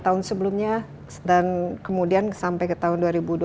tahun sebelumnya dan kemudian sampai ke tahun dua ribu dua puluh